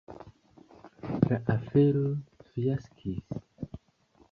La afero fiaskis.